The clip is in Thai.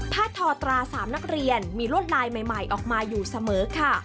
ทอตรา๓นักเรียนมีลวดลายใหม่ออกมาอยู่เสมอค่ะ